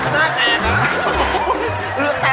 สนาดแตกละ